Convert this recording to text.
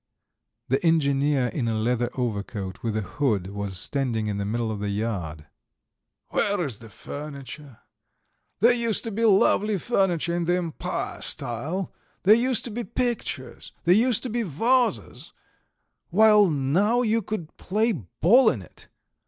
The engineer in a leather overcoat with a hood was standing in the middle of the yard. "Where's the furniture? There used to be lovely furniture in the Empire style: there used to be pictures, there used to be vases, while now you could play ball in it!